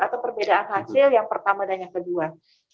atau perbedaan hasil yang pertama dan yang kedua